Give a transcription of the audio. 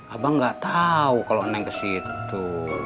abang gak tau kalo neng kesitu